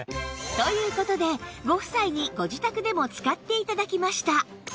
という事でご夫妻にご自宅でも使って頂きました